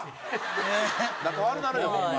「仲悪なるよホンマ」